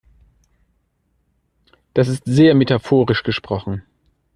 Das ist sehr metaphorisch gesprochen.